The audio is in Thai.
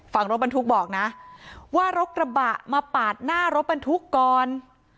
ฝั่งรถบรรทุกบอกนะว่ารถกระบะมาปาดหน้ารถบรรทุกก่อน